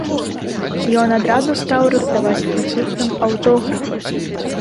Ён адразу стаў раздаваць прысутным аўтографы.